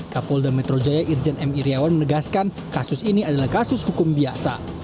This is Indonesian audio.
kapolda metro jaya irjen m iryawan menegaskan kasus ini adalah kasus hukum biasa